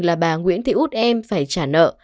là bà nguyễn thị út em phải trả nợ